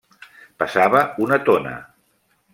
Pesava una tona.